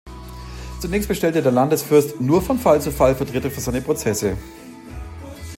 Zunächst bestellte der Landesfürst nur von Fall zu Fall Vertreter für seine Prozesse.